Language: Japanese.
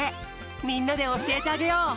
みんなでおしえてあげよう！